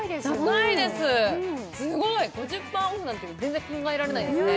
高いですすごい５０％オフなんて全然考えられないですね